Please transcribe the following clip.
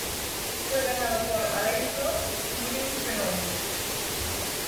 Fue ganado por Alain Prost y Williams-Renault.